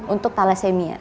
untuk tala semia